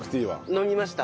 飲みました。